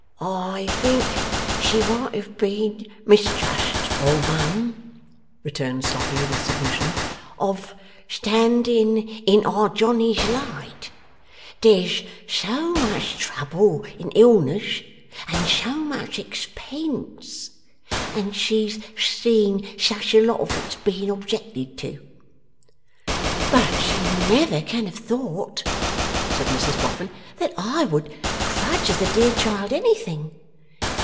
'I think she might have been mistrustful, mum,' returned Sloppy with submission, 'of standing in Our Johnny's light. There's so much trouble in illness, and so much expense, and she's seen such a lot of its being objected to.' 'But she never can have thought,' said Mrs Boffin, 'that I would grudge the dear child anything?